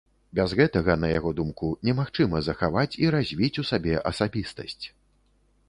Без гэтага, на яго думку, немагчыма захаваць і развіць у сабе асабістасць.